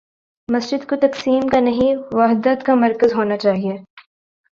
مسجد کو تقسیم کا نہیں، وحدت کا مرکز ہو نا چاہیے۔